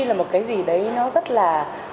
là một cái gì đấy nó rất là